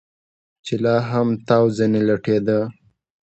چې لا هم تاو ځنې لټېده.